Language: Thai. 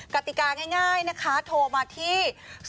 กติกาง่ายนะคะโทรมาที่๐๒๑๒๗๑๑๙๙๒๔๐๓